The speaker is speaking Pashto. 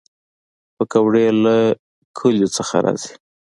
پکورې له کلیو نه راځي